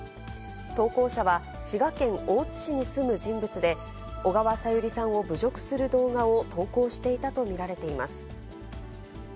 投稿者は、滋賀県大津市に住む人物で、小川さゆりさんを侮辱する動画を投稿していたと見られています。